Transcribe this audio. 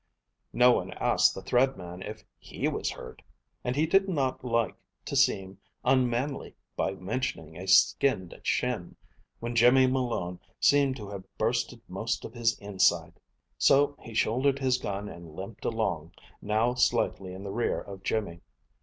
No one asked the Thread Man if he was hurt, and he did not like to seem unmanly by mentioning a skinned shin, when Jimmy Malone seemed to have bursted most of his inside; so he shouldered his gun and limped along, now slightly in the rear of Jimmy.